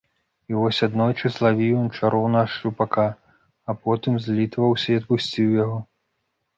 І вось аднойчы злавіў ён чароўнага шчупака, а потым злітаваўся і адпусціў яго.